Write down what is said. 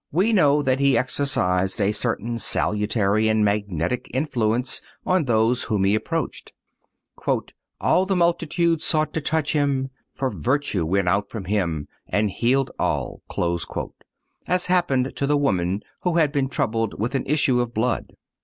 We know that He exercised a certain salutary and magnetic influence on those whom He approached. "All the multitude sought to touch Him, for virtue went out from Him and healed all,"(210) as happened to the woman who had been troubled with an issue of blood.